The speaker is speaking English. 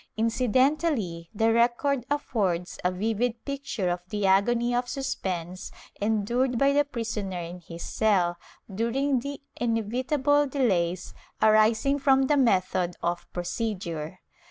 Incidentally, the record affords a vivid picture of the agony of suspense endured by the prisoner in his cell during the inevitable delays arising from the method of procedure.